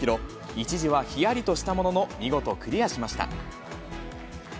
一時はひやりとしたものの、見事クリアしました。